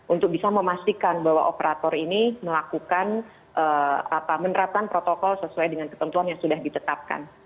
untuk bisa memastikan bahwa operator ini melakukan menerapkan protokol sesuai dengan ketentuan yang sudah ditetapkan